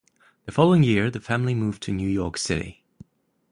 The following year the family moved to New York City.